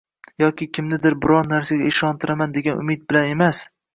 yoki kimnidir biron narsaga ishontiraman degan umid bilan emas